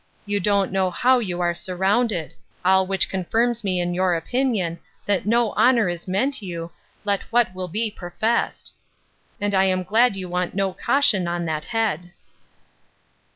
You don't know how you are surrounded; all which confirms me in your opinion, that no honour is meant you, let what will be professed; and I am glad you want no caution on that head.